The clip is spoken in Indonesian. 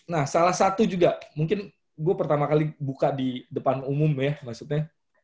nah salah satu juga mungkin gue pertama kali buka di depan umum ya maksudnya